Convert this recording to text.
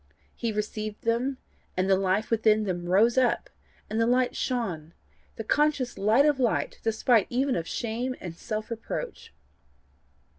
He received them, and the life within them rose up, and the light shone the conscious light of light, despite even of shame and self reproach.